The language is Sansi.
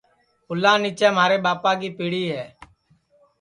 پُلا نیچے مھارے ٻاپا کی پیڑی ہے